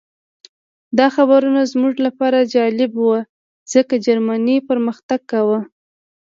دا خبرونه زموږ لپاره جالب وو ځکه جرمني پرمختګ کاوه